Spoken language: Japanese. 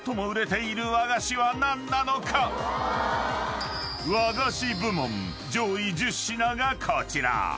［和菓子部門上位１０品がこちら］